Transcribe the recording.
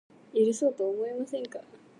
許そうとは思いませんか